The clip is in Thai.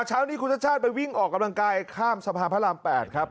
เช้านี้คุณชาติชาติไปวิ่งออกกำลังกายข้ามสะพานพระราม๘ครับ